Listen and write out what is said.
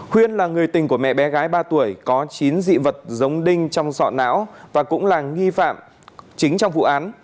khuyên là người tình của mẹ bé gái ba tuổi có chín dị vật giống đinh trong sọ não và cũng là nghi phạm chính trong vụ án